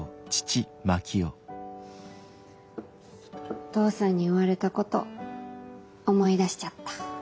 お父さんに言われたこと思い出しちゃった。